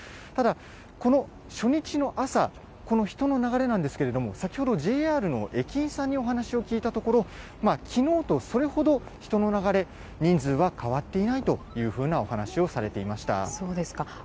ただ、この初日の朝、この人の流れなんですけれども、先ほどＪＲの駅員さんにお話を聞いたところ、きのうとそれほど人の流れ、人数は変わっていないというふうなおそうですか。